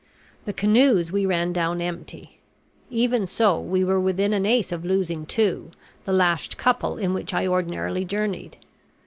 The canoes we ran down empty. Even so, we were within an ace of losing two, the lashed couple in which I ordinarily journeyed.